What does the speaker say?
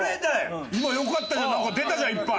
今良かったじゃんなんか出たじゃんいっぱい。